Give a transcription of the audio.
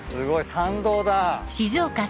参道だ。